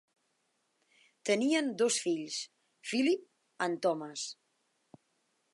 Tenien dos fills: Philip and Thomas.